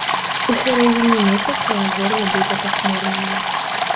У сярэдзіне месяца надвор'е будзе пахмурнае.